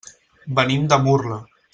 Venim de Murla.